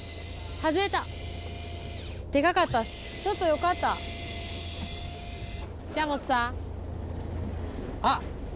外れたデカかったっすちょっと良かった北本さんあっ